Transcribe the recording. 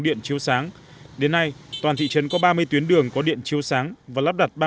điện chiếu sáng đến nay toàn thị trấn có ba mươi tuyến đường có điện chiếu sáng và lắp đặt